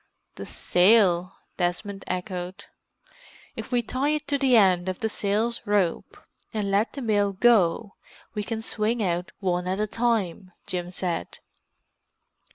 "The sail!" Desmond echoed. "If we tie it to the end of the sail's rope, and let the mill go, we can swing out one at a time," Jim said.